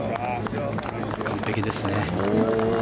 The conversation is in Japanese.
完璧ですね。